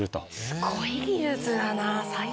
すごい技術だなぁ。